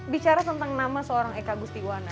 bicara tentang nama seorang eka gustiwana